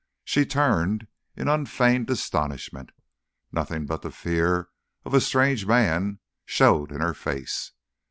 She turned in unfeigned astonishment. Nothing but the fear of a strange man showed in her face.